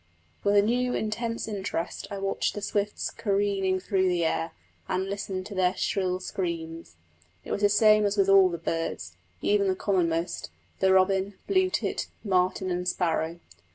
With a new intense interest I watched the swifts careering through the air, and listened to their shrill screams. It was the same with all the birds, even the commonest the robin, blue tit, martin, and sparrow.